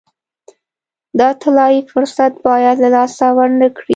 دا طلایي فرصت باید له لاسه ورنه کړي.